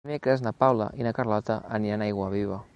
Dimecres na Paula i na Carlota aniran a Aiguaviva.